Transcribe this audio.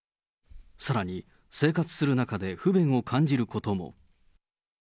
さらに、生活する中で不便を感じることも。